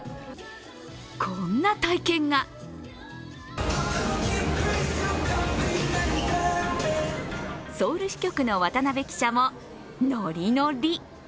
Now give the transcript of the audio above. こんな体験がソウル支局の渡辺記者もノリノリ。